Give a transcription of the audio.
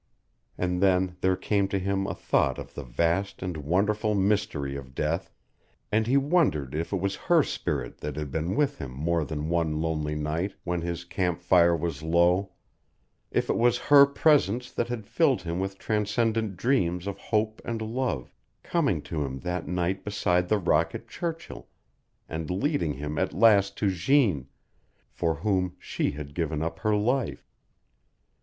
And then there came to him a thought of the vast and wonderful mystery of death, and he wondered if it was her spirit that had been with him more than one lonely night, when his camp fire was low; if it was her presence that had filled him with transcendent dreams of hope and love, coming to him that night beside the rock at Churchill, and leading him at last to Jeanne, for whom she had given up her life.